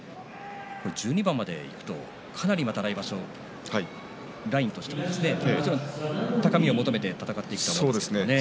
１２番までいくとかなり来場所、ラインとしても高みを求めて戦っていくとなりますね。